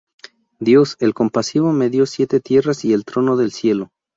Dios, el compasivo, me dio siete tierras y el trono del Cielo".